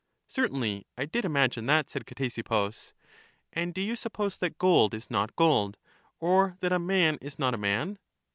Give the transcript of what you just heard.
Certainly, I did imagine that, said Ctesippus. And do you suppose that gold is not gold, or that a man is not a man?